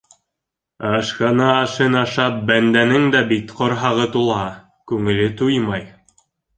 Ашхана ашын ашап бәндәнең дә бит ҡорһағы тула - күңеле туймай.